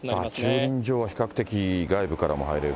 駐輪場は比較的外部からも入れる。